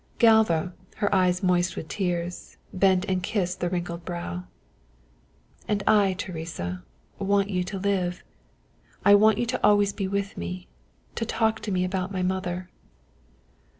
Galva, her eyes moist with tears, bent and kissed the wrinkled brow. "And I, Teresa, want you to live. I think I want you always to be with me, to talk to me about my mother."